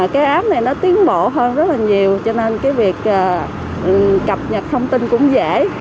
cái app này nó tiến bộ hơn rất là nhiều cho nên cái việc cập nhật thông tin cũng dễ